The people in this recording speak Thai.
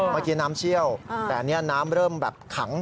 เมื่อกี้น้ำเชี่ยวแต่อันนี้น้ำเริ่มแบบขัง